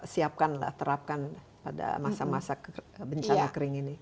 siapkanlah terapkan pada masa masa bencana kering ini